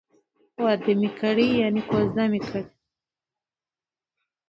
واده می کړی ،یعنی کوزده می کړې